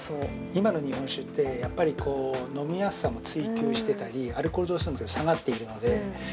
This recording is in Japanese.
◆今の日本酒って、やっぱり飲みやすさも追求してたりアルコール度数も下がっているので。